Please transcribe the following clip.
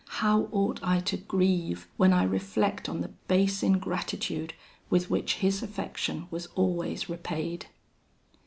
How ought I to grieve, when I reflect on the base ingratitude with which his affection was always repaid!